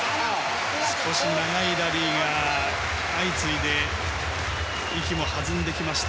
少し長いラリーが相次いで息も弾んできました。